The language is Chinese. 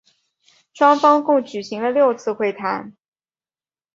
双方共举行了六次会谈。